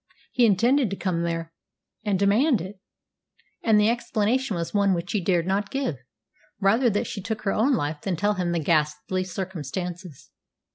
He intended to come there and demand it! And the explanation was one which she dared not give. Rather that she took her own life than tell him the ghastly circumstances.